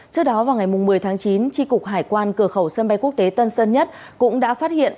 trước đó vào ngày một mươi tháng chín tri cục hải quan cửa khẩu sân bay quốc tế tân sơn nhất cũng đã phát hiện